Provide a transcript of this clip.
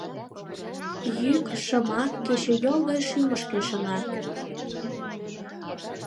Йӱк, шыма, кечыйол гай шӱмышкӧ шыҥа